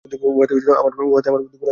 উহাতে আমাদের বুদ্ধি গুলাইয়া যায়।